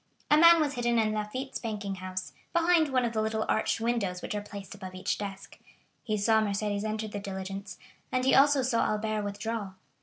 A man was hidden in Lafitte's banking house, behind one of the little arched windows which are placed above each desk; he saw Mercédès enter the diligence, and he also saw Albert withdraw.